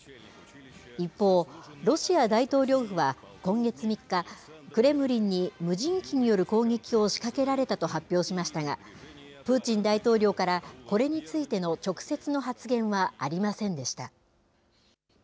一方、ロシア大統領府は今月３日、クレムリンに無人機による攻撃を仕掛けられたと発表しましたが、プーチン大統領から、これについての直接の発言はありませんでした。